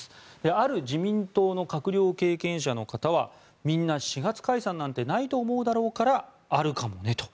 ある自民党の閣僚経験者の方はみんな４月解散なんてないと思うだろうからあるかもねと。